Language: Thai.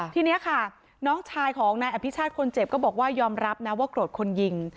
ทีนี้ค่ะน้องชายของนายอภิชาติคนเจ็บก็บอกว่ายอมรับนะว่าโกรธคนยิง